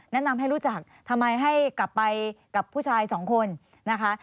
แนะนำให้รู้จักทำไมให้กลับไปกับผู้ชายสองคนนะคะ